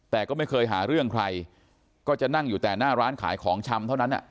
แต่ก็ไม่เคยหาเรื่องใครก็จะนั่งอยู่แต่หน้าร้านขายของชำเท่านั้น